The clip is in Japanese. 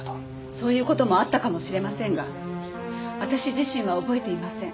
そういう事もあったかもしれませんが私自身は覚えていません。